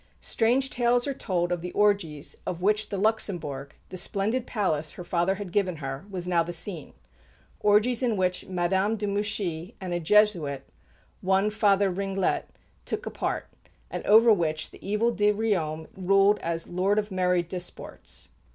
Strange tales are told of the orgies of which the Luxembourg, the splendid palace her father had given her, was now the scene orgies in which Madame de Mouchy and a Jesuit, one Father Ringlet, took a part, and over which the evil de Riom ruled as "Lord of merry disports."